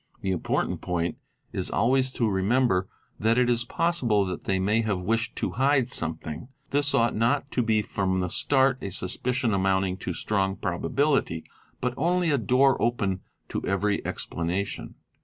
The important point is always — to remember that it is possible that they may have wished to hide j something ; this ought not to be from the start a suspicion amounting to strong probability, but only a door open to every explanation.